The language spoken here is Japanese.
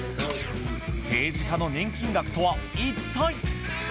政治家の年金額とは一体。